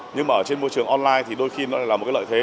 nhưng mà ở trên môi trường online thì đôi khi nó lại là một cái lợi thế